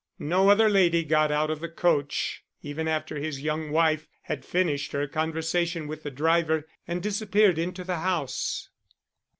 No other lady got out of the coach even after his young wife had finished her conversation with the driver and disappeared into the house.